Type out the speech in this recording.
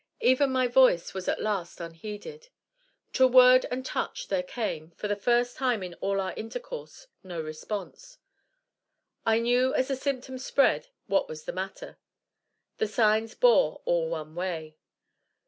Even my voice was at last unheeded. To word and touch there came, for the first time in all our intercourse, no response. I knew as the symptoms spread what was the matter. The signs bore all one way.